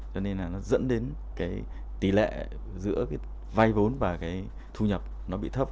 cho nên là nó dẫn đến cái tỷ lệ giữa cái vay vốn và cái thu nhập nó bị thấp